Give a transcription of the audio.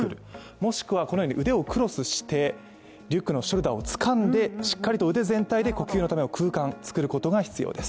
もしくはこのように腕をクロスしてリュックのショルダーをつかんでしっかりと腕全体で呼吸のための空間を作ることが必要です。